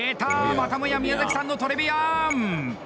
またもや宮崎さんのトレビアン。